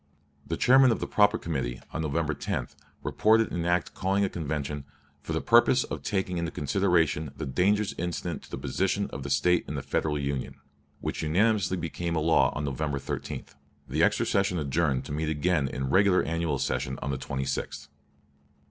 The chairman of the proper committee on November 10 reported an act calling a convention "for the purpose of taking into consideration the dangers incident to the position of the State in the Federal Union," which unanimously became a law November 13, and the extra session adjourned to meet again in regular annual session on the 26th.